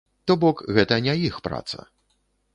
То бок, гэта не іх праца.